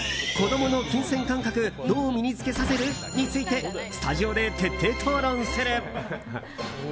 子供の金銭感覚どう身につけさせる？についてスタジオで徹底討論する。